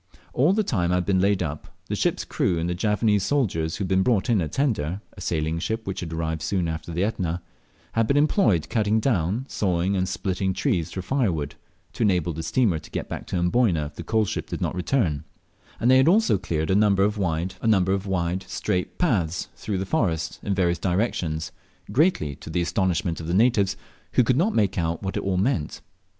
All the time I had been laid up the ship's crew and the Javanese soldiers who had been brought in a tender (a sailing ship which had arrived soon after the Etna), had been employed cutting down, sawing, and splitting large trees for firewood, to enable the steamer to get back to Amboyna if the coal ship did not return; and they had also cleared a number of wide, straight paths through the forest in various directions, greatly to the astonishment of the natives, who could not make out what it all meant.